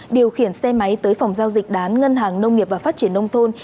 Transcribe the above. điều khiển xe máy tới phòng giao dịch đán ngân hàng nông nghiệp và phát triển nông thôn